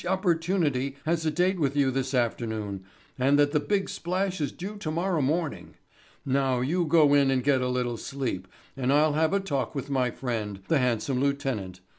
Opportunity has a date with you this afternoon, and that the big splash is due tomorrow morning. Now you go in and get a little sleep and I'll have a talk with my friend, the handsome lieutenant.